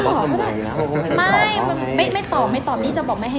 ไม่ตอบไม่ตอบนี่จะบอกไม่ให้ตอบ